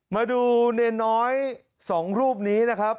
มาดูเนรน้อย๒รูปนี้นะครับ